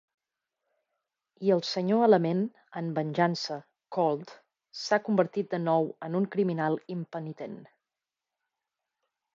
(...) i al Sr. Element en venjança, Cold s'ha convertit de nou en un criminal impenitent.